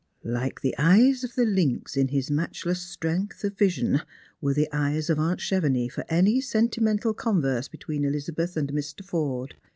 Like the eyes of the lynx, in his matchless strength of vision, were the eyes of aunt Chevenix for any sentimental converse between Elizabeth and Mr. Forde.